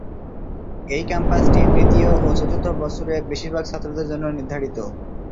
এই ক্যাম্পাসটি তৃতীয় ও চতুর্থ বছরে বেশিরভাগ ছাত্রদের জন্য নির্ধারিত।